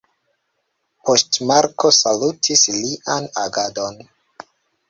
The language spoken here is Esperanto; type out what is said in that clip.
Poŝtmarko salutis lian agadon.